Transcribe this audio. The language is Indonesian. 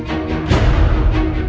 aku mau pergi